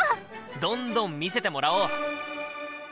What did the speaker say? どんどん見せてもらおう！